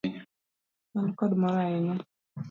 An kod mor ahinya.